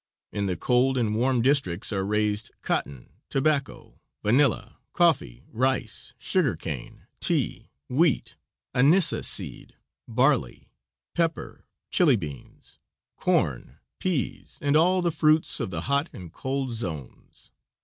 In the cold and warm districts are raised cotton, tobacco, vanilla, coffee, rice, sugar cane, tea, wheat, aniseseed, barley, pepper, Chili beans, corn, peas, and all the fruits of the hot and cold zones.